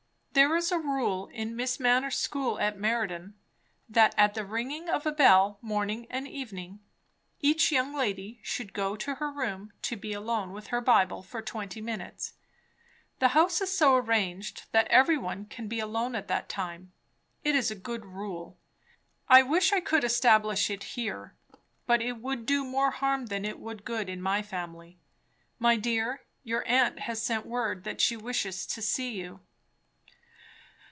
"There is a rule in Miss Manners' school at Meriden, that at the ringing of a bell, morning and evening, each young lady should go to her room to be alone with her Bible for twenty minutes. The house is so arranged that every one can be alone at that time. It is a good rule. I wish I could establish it here; but it would do more harm than it would good in my family. My dear, your aunt has sent word that she wishes to see you."